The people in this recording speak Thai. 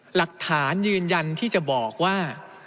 หลักฐานยืนยันที่จะบอกว่า